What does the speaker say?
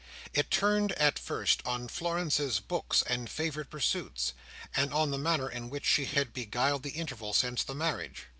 It turned, at first, on Florence's books and favourite pursuits, and on the manner in which she had beguiled the interval since the marriage.